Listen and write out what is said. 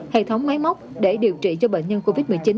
hệ thống máy móc để điều trị cho bệnh nhân covid một mươi chín